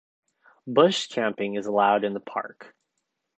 Bush camping is allowed in the park.